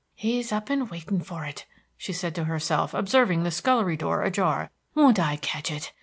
"He's up and been waiting for it," she said to herself, observing the scullery door ajar. "Won't I ketch it!